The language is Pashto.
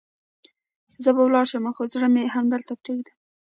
زه به لاړ شم، خو زړه مې همدلته پرېږدم.